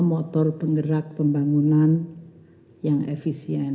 susun davor keempat sebelum pengedilan